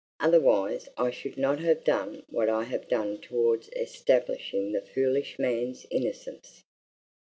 "Otherwise I should not have done what I have done towards establishing the foolish man's innocence!"